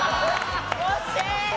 惜しい！